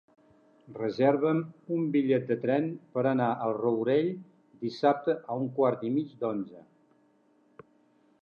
Reserva'm un bitllet de tren per anar al Rourell dissabte a un quart i mig d'onze.